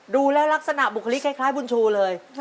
ดูแล้วลักษณะบุคลิกคล้ายบุญชูเลย